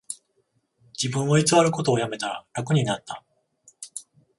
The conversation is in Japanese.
自分を偽ることをやめたら楽になった